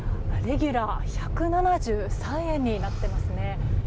レギュラー１７３円になっていますね。